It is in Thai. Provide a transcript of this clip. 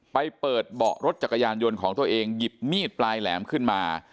ไปเปิดเบาะรถจักรยานยนต์ของตัวเองหยิบมีดปลายแหลมขึ้นมา